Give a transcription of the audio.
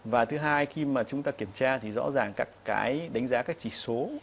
và thứ hai khi mà chúng ta kiểm tra thì rõ ràng các cái đánh giá các chỉ số